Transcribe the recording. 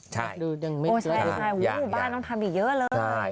ใช่โอ้ยแสดงบ้านต้องทำอีกเยอะเลย